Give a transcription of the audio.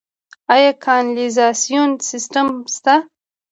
آیا کانالیزاسیون سیستم شته؟